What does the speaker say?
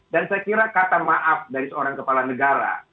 saya kira kata maaf dari seorang kepala negara